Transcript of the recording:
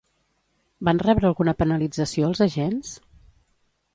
Van rebre alguna penalització els agents?